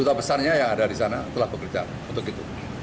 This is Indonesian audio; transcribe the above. kota besarnya yang ada di sana telah bekerja untuk itu